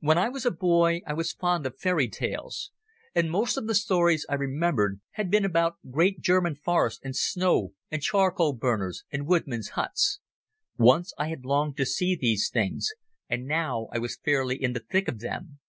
When I was a boy I was fond of fairy tales, and most of the stories I remembered had been about great German forests and snow and charcoal burners and woodmen's huts. Once I had longed to see these things, and now I was fairly in the thick of them.